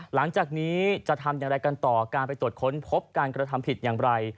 หลังจากนี้จะทำอย่างไรกันต่อการไปตรวจค้นพบการกระทำผิดอย่างไร